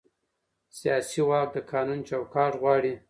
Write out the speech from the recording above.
سیاسي واک د قانون چوکاټ غواړي